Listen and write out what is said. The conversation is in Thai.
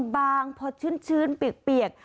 บางพอชื้นเปียก